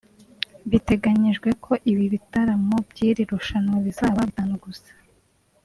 Biteganyijwe ko ibitaramo by’iri rushanwa bizaba bitanu gusa